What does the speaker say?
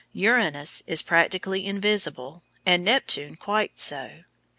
Uranus is practically invisible, and Neptune quite so.